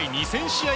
２０００試合